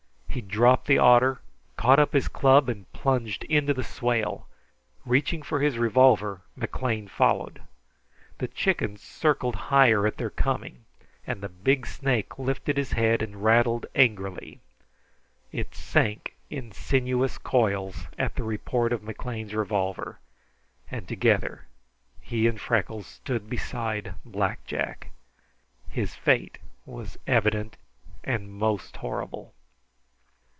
He dropped the otter, caught up his club, and plunged into the swale. Reaching for his revolver, McLean followed. The chickens circled higher at their coming, and the big snake lifted his head and rattled angrily. It sank in sinuous coils at the report of McLean's revolver, and together he and Freckles stood beside Black Jack. His fate was evident and most horrible.